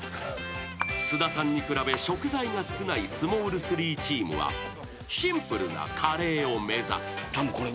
［菅田さんに比べ食材が少ないスモール３チームはシンプルなカレーを目指す］